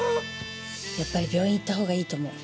やっぱり病院行った方がいいと思う。